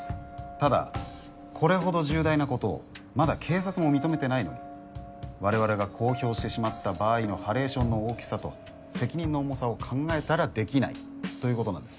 ただこれほど重大なことをまだ警察も認めてないのに我々が公表してしまった場合のハレーションの大きさと責任の重さを考えたらできないということなんです。